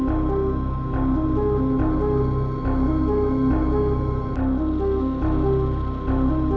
ayo kita pilih yang bener tuju